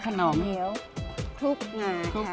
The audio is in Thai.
ข้าวเหนียวคลุกงาค่ะ